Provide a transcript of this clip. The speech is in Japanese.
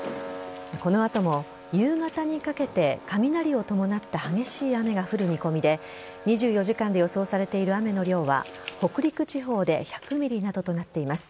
この後も、夕方にかけて雷を伴った激しい雨が降る見込みで２４時間で予想されている雨の量は北陸地方で１００ｍｍなどとなっています。